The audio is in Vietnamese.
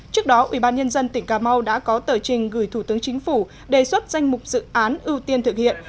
trước đó ubnd tỉnh cà mau đã có tờ trình gửi thủ tướng chính phủ đề xuất danh mục dự án ưu tiên thực hiện